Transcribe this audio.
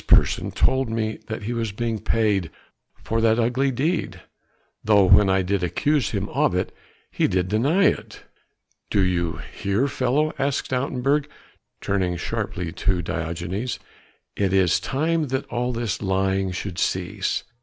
person told me that he was being paid for that ugly deed: though when I did accuse him of it he did not deny it." "Do you hear, fellow?" asked Stoutenburg, turning sharply to Diogenes, "it is time that all this lying should cease.